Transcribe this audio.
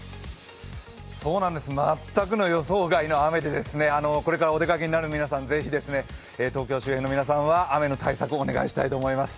そうなんです、全くの予想外の雨で、これからお出かけになる皆さん、ぜひ、東京周辺の皆さんは雨の対策をお願いしたいと思います。